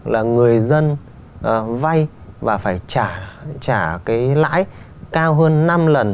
là người dân vay và phải trả cái lãi cao hơn năm lần